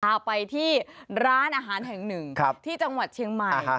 เอาไปที่ร้านอาหารแห่งหนึ่งที่จังหวัดเชียงใหม่